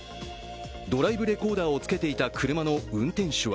ドライブレコーダーをつけていた車の運転手は